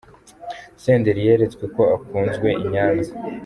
Senderi yeretswe ko akunzwe i Nyanza.